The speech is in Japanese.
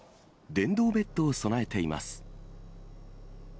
電動ベッドを備えています。